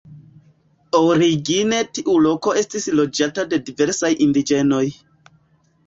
Origine tiu loko estis loĝata de diversaj indiĝenoj.